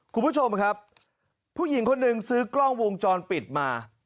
คุณผู้ชมครับผู้หญิงคนหนึ่งซื้อกล้องวงจรปิดมา